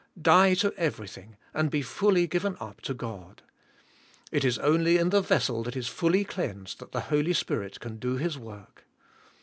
Die to everything and be fully given up to God. It is only in the vessel that is fully cleansed that the Holy Spirit can do His work.